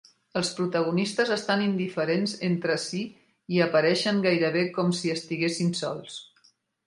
Els protagonistes estan indiferents entre si i apareixen gairebé com si estiguessin sols.